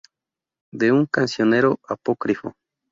De un cancionero apócrifo".